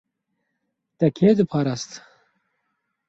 Te kê diparast?